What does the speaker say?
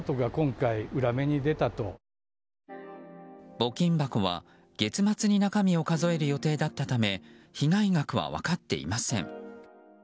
募金箱は、月末に中身を数える予定だったため被害額は分かっていません。